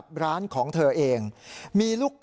เพราะเธอหมดแต่ร้องไห้เลยนะฮะ